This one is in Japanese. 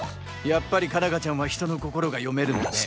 やっぱり佳奈花ちゃんは人の心が読めるんだね。